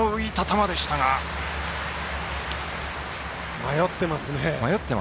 迷っていますね。